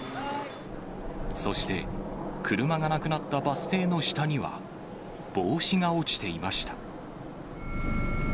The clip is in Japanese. そして、車がなくなったバス停の下には、帽子が落ちていました。